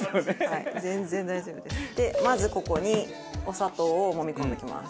でまずここにお砂糖をもみ込んでいきます。